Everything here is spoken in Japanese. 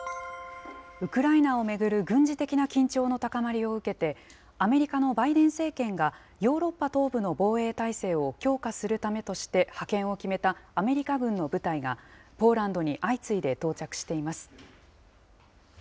ウクライナを巡る軍事的な緊張の高まりを受けて、アメリカのバイデン政権がヨーロッパ東部の防衛態勢を強化するためとして、派遣を決めたアメリカ軍の部隊が、ポーランドに相次いで到着しています。